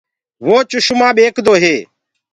وو چشمآ ٻيڪدو تو۔